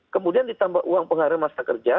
kemudian ditambah uang pengaruh masa kerja